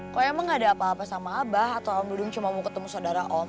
kok emang gak ada apa apa sama abah atau om dung cuma mau ketemu saudara om